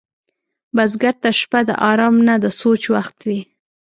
بزګر ته شپه د آرام نه، د سوچ وخت وي